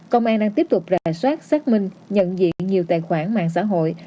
công an đang tiếp tục rà soát xác minh nhận diện nhiều tài khoản mạng xã hội